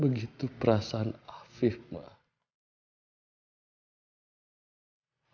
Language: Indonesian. begitu perasaan abib mah